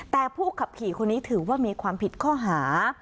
แต่ผู้ขับขี่คนนี้ถือว่ามีความผิดข้อหา